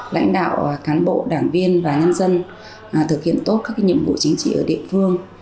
lãnh đạo cán bộ đảng viên và nhân dân thực hiện tốt các nhiệm vụ chính trị ở địa phương